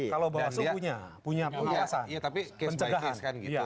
kalau bawaslu punya pengawasan